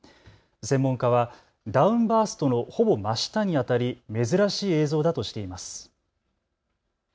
専門家はダウンバーストのほぼ真下にあたり珍しい映像だとしています。